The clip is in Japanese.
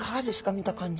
見た感じ。